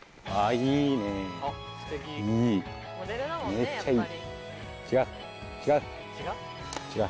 めっちゃいい！